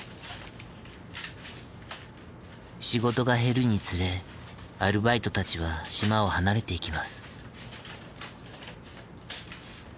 仕事が減るにつれアルバイトたちは島を離れていきます。